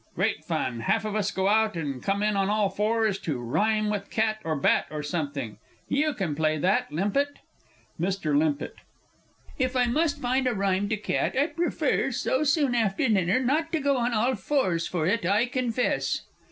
Great fun half of us go out, and come in on all fours, to rhyme to "cat," or "bat," or something you can play that, Limpett? MR. LIMPETT. If I must find a rhyme to cat, I prefer, so soon after dinner, not to go on all fours for it, I confess.